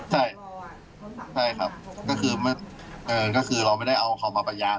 ใช่ครับก็คือเราไม่ได้เอาของมาแบบยำ